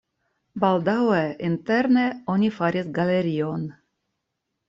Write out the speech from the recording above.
Baldaŭe interne oni faris galerion.